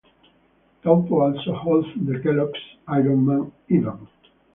Taupo also hosts the Kellogg's Iron Man event.